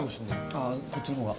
ああこっちの方が？